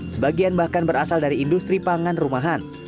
sebagian bahkan berasal dari industri pangan rumahan